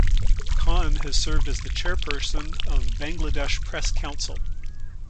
Khan has served as the Chairperson of Bangladesh Press Council.